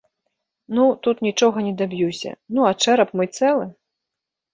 Ну, тут нічога не даб'юся, ну, а чэрап мой цэлы?